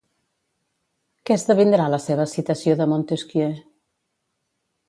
Què esdevindrà la seva citació de Montesquieu?